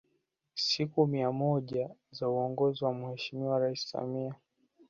Siku mia moja za uongozi wa Mheshimiwa Rais Samia